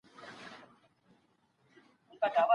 حق په هره برخه کي خپل ځای نيولی دی.